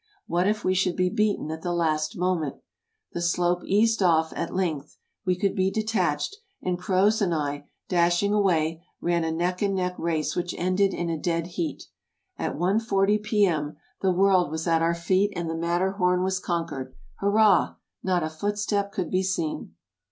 What if we should be beaten at the last moment ! The slope eased off, at length we could be detached, and Croz and I, dashing away, ran a neck and neck race which ended in a dead heat. At one forty P.M. the world was at our feet and the Matterhorn was conquered ! Hurrah ! Not a foot step could be seen.